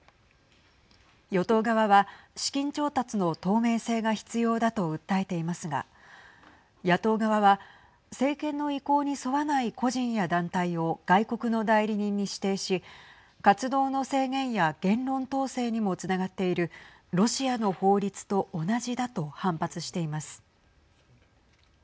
与党側は資金調達の透明性が必要だと訴えていますが野党側は政権の意向に沿わない個人や団体を外国の代理人に指定し活動の制限や言論統制にもつながっているロシアの法律と同じだと反発しています。